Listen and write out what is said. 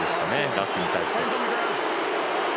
ラックに対して。